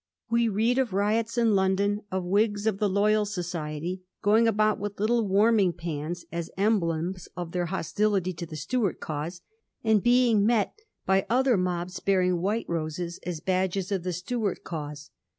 We read of the riots in London, of Whigs of the ' Loyal Society' going about with little warming pans as emblems of their hostility to the Stuart cause, and being met by other mobs bearing white roses as badges of the Stuart cause.